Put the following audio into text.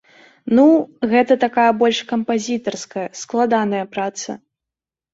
Ну, гэта такая больш кампазітарская, складаная праца.